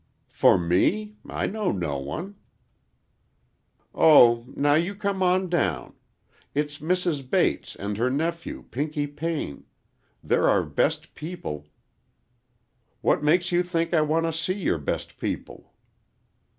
"For me? I know no one." "Oh, now, you come on down. It's Mrs. Bates, and her nephew, Pinky Payne. They're our best people—" "What makes you think I want to see your best people?"